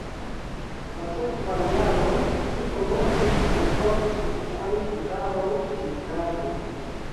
La sekvan jaron, li komencis alporti sian gitaron ĉiutage.